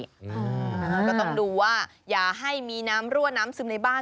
ก็ต้องดูว่าอย่าให้มีน้ำรั่วน้ำซึมในบ้าน